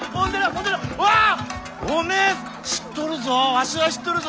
わしは知っとるぞ。